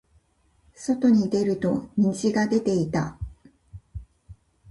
外に出ると虹が出ていた。